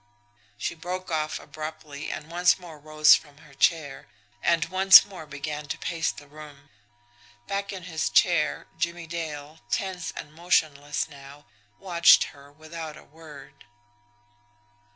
She broke off abruptly, and once more rose from her chair, and once more began to pace the room. Back in his chair, Jimmie Dale, tense and motionless now, watched her without a word.